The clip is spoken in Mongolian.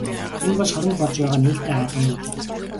Энэ бол шоронд болж байгаа нээлттэй хаалганы өдөр.